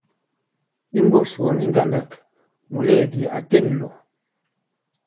Imbūs wɔ̌n ŋgandâk, mùleèdì a těm lɔ̀.